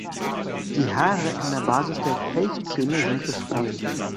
Die Haare an der Basis der Kelchzähne sind geschwollen.